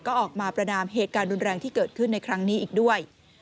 ก็ออกมาประนามเหตุการณ์รุนแรงที่เกิดขึ้นในครั้งนี้อีกด้วย